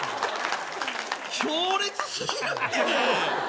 強烈過ぎるって。